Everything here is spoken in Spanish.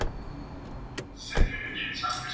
Prólogo a "Armas antárticas".